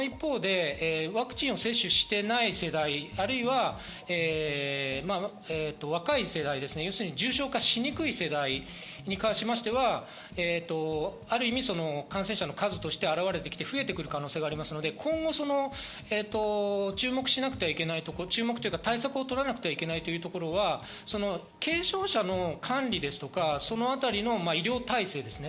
一方でワクチンを接種していない世代、あるいは若い世代、重症化しにくい世代に関しましては、ある意味、感染者の数として表れてきて増えてくる可能性があるので、今後、注目しなくてはいけないこと、対策を取らなきゃいけないことは軽症者の管理ですとか、そのあたりの医療体制ですね。